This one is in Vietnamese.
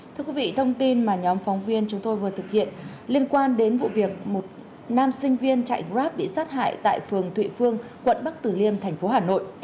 thưa quý vị thông tin mà nhóm phóng viên chúng tôi vừa thực hiện liên quan đến vụ việc một nam sinh viên chạy grab bị sát hại tại phường thụy phương quận bắc tử liêm thành phố hà nội